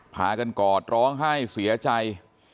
พากันกอดร้องไห้เสียใจ